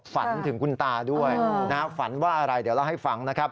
ฝันถึงคุณตาด้วยฝันว่าอะไรเดี๋ยวเราให้ฟัง